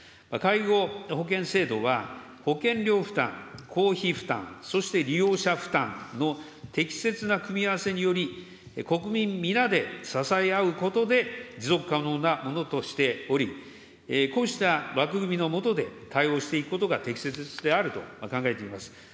介護保険制度は、保険料負担、公費負担、そして利用者負担の適切な組み合わせにより、国民皆で支え合うことで、持続可能なものとしており、こうした枠組みの下で対応していくことが適切であると考えています。